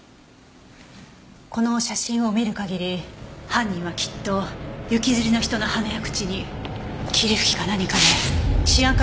この写真を見る限り犯人はきっと行きずりの人の鼻や口に霧吹きか何かでシアン化